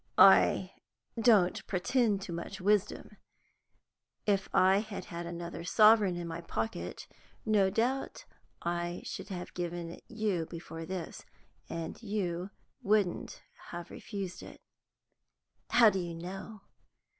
"I don't pretend to much wisdom. If I had had another sovereign in my pocket, no doubt I should have given it you before this, and you wouldn't have refused it." "How do you know?"